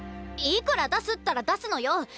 いくら出すったら出すのよ！